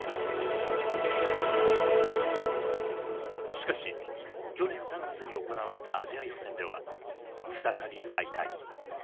しかし去年３月に行われたアジア予選では再び敗退。